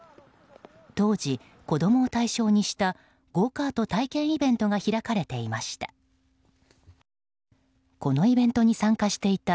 当時、子供を対象にしたゴーカート体験イベントが開かれていました。